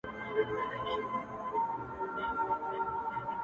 • یا خو غښتلی یا بې اثر یې,